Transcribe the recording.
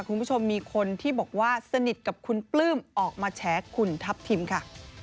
คุณผู้ชมมีคนที่บอกว่าสนิทกับคุณปลื้มออกมาแฉคุณทัพทิมค่ะ